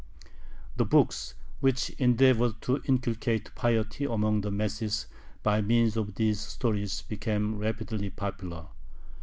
The books which endeavored to inculcate piety among the masses by means of these stories became rapidly popular.